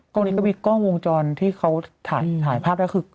กล้องดินตามีตกล้องวงจรที่เค้าถ่ายภาพได้